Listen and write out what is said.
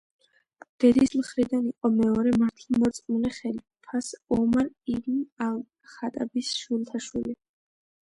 დედის მხრიდან იყო მეორე მართლმორწმუნე ხალიფას, ომარ იბნ ალ-ხატაბის შვილთაშვილი.